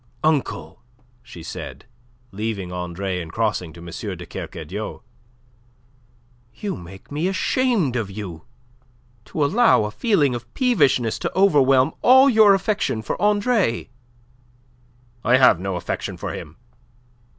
"Uncle," she said, leaving Andre and crossing to M. de Kercadiou, "you make me ashamed of you! To allow a feeling of peevishness to overwhelm all your affection for Andre!" "I have no affection for him.